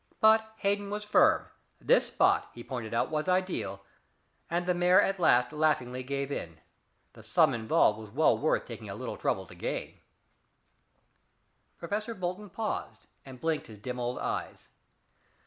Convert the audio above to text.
But Hayden was firm; this spot, he pointed out, was ideal, and the mayor at last laughingly gave in. The sum involved was well worth taking a little trouble to gain." Professor Bolton paused, and blinked his dim old eyes.